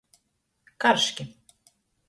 Karški.